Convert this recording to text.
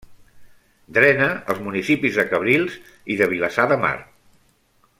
Drena els municipis de Cabrils i de Vilassar de Mar.